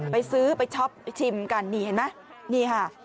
ไปซื้อไปช็อปไปชิมกันนี่เห็นไหมนี่ค่ะ